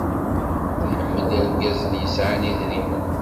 Tḥemmel irgazen yesɛan idrimen.